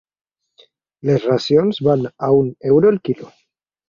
Les racions van a un euro el quilo.